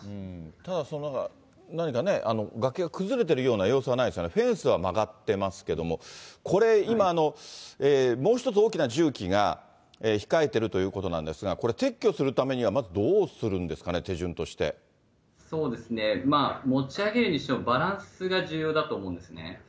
ただ何かね、崖が崩れてるような様子はないんですが、フェンスは曲がってますけども、これ、今、もう１つ大きな重機が控えてるということなんですが、これ、撤去するためにはまずどうするん持ち上げるにしろ、バランスが重要だと思うんですね。